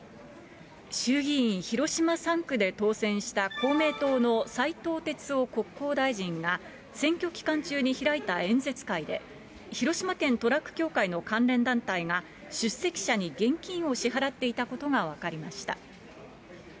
衆議院広島３区で当選した公明党の斉藤鉄夫国交大臣が、選挙期間中に開いた演説会で、広島県トラック協会の関連団体が、出席者に現金を支払っていたことが分かりました。